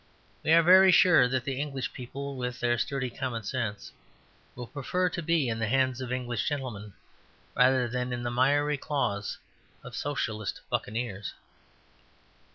We are very sure that the English people, with their sturdy common sense, will prefer to be in the hands of English gentlemen rather than in the miry claws of Socialistic buccaneers."